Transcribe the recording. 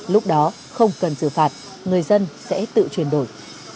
lúc đó không cần xử phạt người dân sẽ tự chuyển đổi